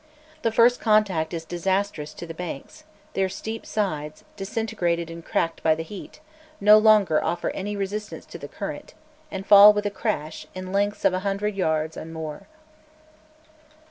The first contact is disastrous to the banks; their steep sides, disintegrated and cracked by the heat, no longer offer any resistance to the current, and fall with a crash, in lengths of a hundred yards and more.